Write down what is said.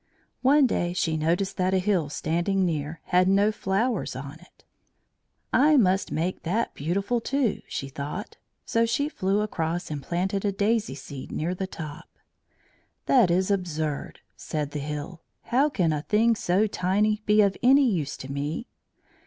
One day she noticed that a hill standing near had no flowers on it. "I must make that beautiful too," she thought, so she flew across and planted a daisy seed near the top. "That is absurd," said the Hill. "How can a thing so tiny be of any use to me?"